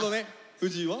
藤井は？